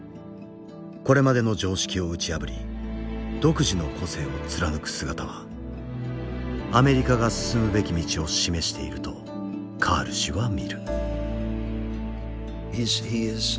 これまでの常識を打ち破り独自の個性を貫く姿はアメリカが進むべき道を示しているとカール氏は見る。